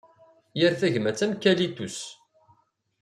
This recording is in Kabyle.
Yir tagmatt am kalitus.